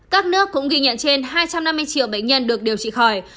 các nước cũng ghi nhận trên hai trăm năm mươi triệu bệnh nhân được điều trị khỏi